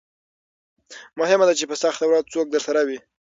مهمه ده په سخته ورځ څوک درسره وي.